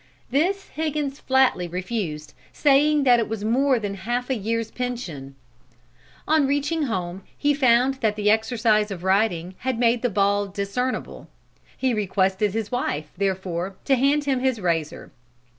This Higgins flatly refused, saying that it was more than half a year's pension. On reaching home he found that the exercise of riding had made the ball discernable; he requested his wife, therefore, to hand him his razor.